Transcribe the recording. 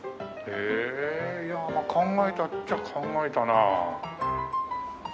へえいやあまあ考えたっちゃ考えたな。